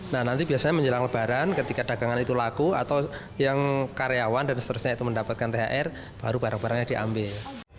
nah nanti biasanya menjelang lebaran ketika dagangan itu laku atau yang karyawan dan seterusnya itu mendapatkan thr baru barang barangnya diambil